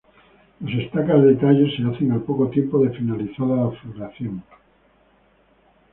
Las estacas de tallo se hacen al poco tiempo de finalizada la floración.